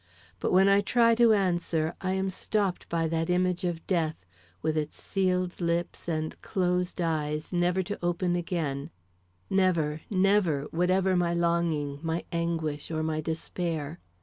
But when I try to answer, I am stopped by that image of death, with its sealed lips and closed eyes never to open again never, never, whatever my longing, my anguish, or my despair.